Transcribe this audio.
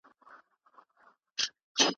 هغه څوک چي هڅه کوي تل بریالی کېږي.